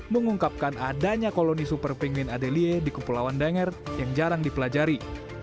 mengungkapkan adanya koloni super pingin adelie di kepulauan denger yang jarang dipelajari